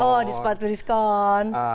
oh sepatu diskon